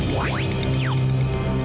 oh alami tinggalkannya